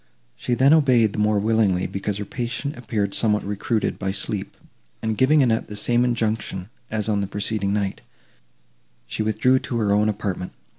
She then obeyed, the more willingly, because her patient appeared somewhat recruited by sleep; and, giving Annette the same injunction, as on the preceding night, she withdrew to her own apartment.